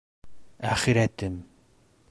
— Әхирәтем!